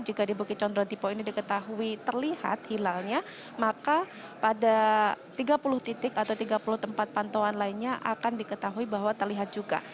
jika di bukit condro tipo ini diketahui terlihat hilalnya maka pada tiga puluh titik atau tiga puluh tempat pantauan lainnya akan diketahui bahwa terlihat juga